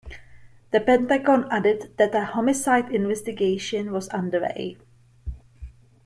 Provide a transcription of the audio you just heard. The Pentagon added that a homicide investigation was underway.